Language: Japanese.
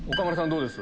どうです？